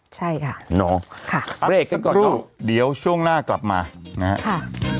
ใช่ค่ะน้องค่ะเบรกกันก่อนเนอะเดี๋ยวช่วงหน้ากลับมานะฮะค่ะ